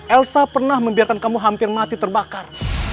elsa pernah membiarkan kamu hampir mati terbakar